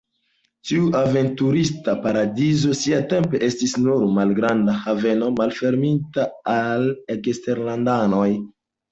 Tiu aventurista paradizo siatempe estis nur malgranda haveno malfermita al eksterlandanoj.